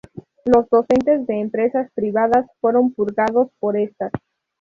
Los docentes de empresas privadas fueron purgados por estas.